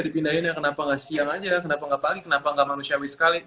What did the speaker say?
dipindahin ya kenapa gak siang aja kenapa gak pagi kenapa gak manusiawi sekali